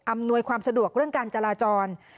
หน่วยความสะดวกเรื่องการจราจร